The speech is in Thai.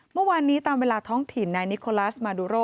เมื่อวานนี้ตามเวลาท้องถิ่นนายนิโคลาสมาดูโร